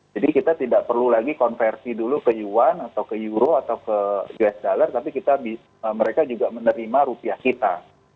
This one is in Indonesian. jadi kita tidak perlu lagi konversi dulu ke yuan atau ke euro atau ke us dollar tapi mereka juga menerima rupiah kita